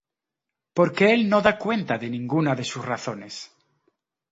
Porque él no da cuenta de ninguna de sus razones.